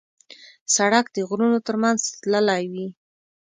سړک د غرونو تر منځ تللی وي.